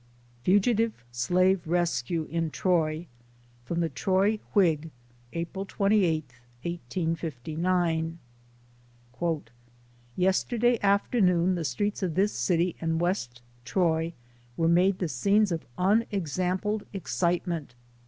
FUGITIVE SLAVE RESCUE IN TROY. From the Troy Whig, April 28, 1859. Yesterday afternoon, the streets of this city and West Troy were made the scenes of unexampled excitement.